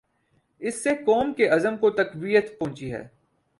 اس سے قوم کے عزم کو تقویت پہنچی ہے۔